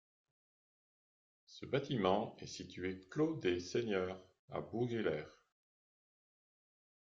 Ce bâtiment est situé clos des Seigneurs à Bouxwiller.